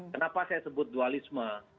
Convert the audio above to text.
kenapa saya sebut dualisme